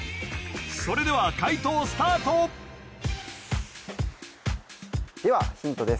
それでは解答スタートではヒントです